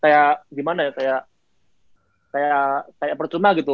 kayak gimana ya kayak percuma gitu